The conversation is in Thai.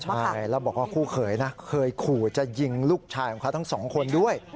ใช่แล้วบอกว่าคู่เขยนะเคยขู่จะยิงลูกชายของเขาทั้งสองคนด้วย